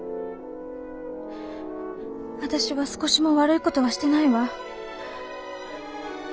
私は少しも悪い事はしてないわ。